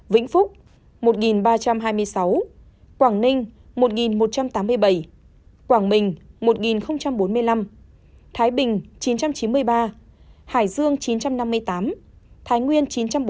vĩnh phúc một ba trăm hai mươi sáu quảng ninh một một trăm tám mươi bảy quảng bình một bốn mươi năm thái bình chín trăm chín mươi ba hải dương chín trăm năm mươi tám thái nguyên chín trăm bốn mươi bảy